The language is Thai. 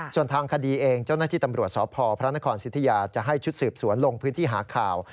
ส่วนทางคดีเองเจ้าหน้าที่ตำรวจสพพระนครสิทธิยาจะให้ชุดสืบสวนลงพื้นที่หาข่าว